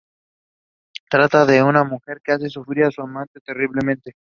Trata de una mujer que hace sufrir a su amante terriblemente.